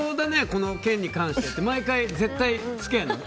この件に関してって毎回絶対つけるの。